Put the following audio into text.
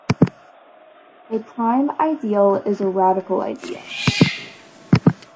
A prime ideal is a radical ideal.